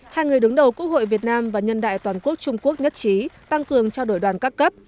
hai người đứng đầu quốc hội việt nam và nhân đại toàn quốc trung quốc nhất trí tăng cường trao đổi đoàn các cấp